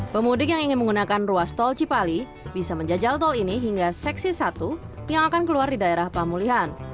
pemudik yang ingin menggunakan ruas tol cipali bisa menjajal tol ini hingga seksi satu yang akan keluar di daerah pamulihan